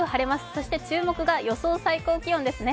そして注目が予想最高気温ですね。